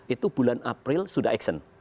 itu bulan april sudah action